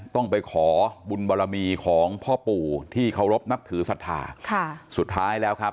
ต้องไปขอบุญบรมีของพ่อปู่ที่เคารพมักถือศัทรา